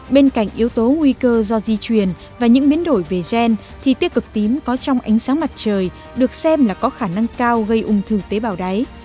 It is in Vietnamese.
bên cạnh yếu tố nguy cơ do di truyền và những biến đổi về gen thì tiêu cực tím có trong ánh sáng mặt trời được xem là có khả năng cao gây ung thư tế bào đáy